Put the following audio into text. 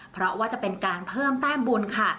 เพราะว่าจะเป็นการเพิ่มแต้มบุญค่ะ